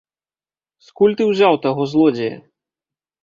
Скуль ты ўзяў таго злодзея?